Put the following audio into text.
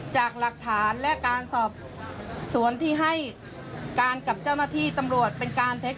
จากหลักฐานและการสอบสวนที่ให้การกับเจ้าหน้าที่ตำรวจเป็นการเท็จ